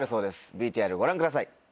ＶＴＲご覧ください。